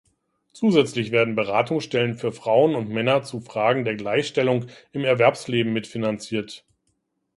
Zusätzlich werden Beratungsstellen für Frauen und Männer zu Fragen der Gleichstellung im Erwerbsleben mitfinanziert.